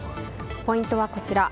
ポイントはこちら。